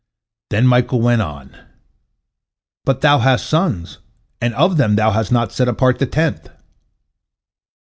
Then Michael went on, "But thou hast sons, and of them thou hast not set apart the tenth."